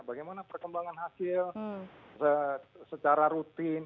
bagaimana perkembangan hasil secara rutin